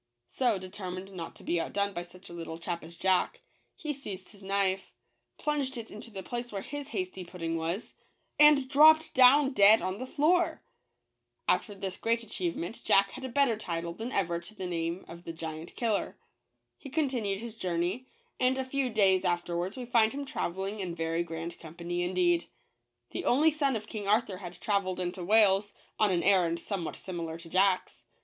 So, determined not to be outdone by such a little chap as Jack, he seized his knife ! plunged it into the place where his hasty pudding was !! and dropped down dead on the floor !!! After this great achievement Jack had a better title than ever to the name of the " Giant Killer." He continued his journey, and a few days afterwards we find him traveling in very grand company indeed. The only son of King Arthur had traveled into Wales, on an errand somewhat similar to Jack's.